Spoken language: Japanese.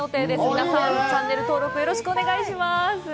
皆さん、チャンネル登録よろしくお願いします。